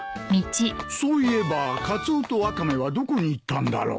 そういえばカツオとワカメはどこに行ったんだろう。